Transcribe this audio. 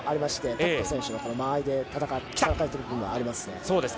拓斗選手は間合いで戦えているところがありますね。